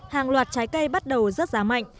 hàng loạt trái cây bắt đầu rớt giá mạnh